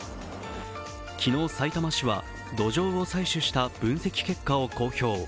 昨日、さいたま市は土壌を採取した分析結果を公表。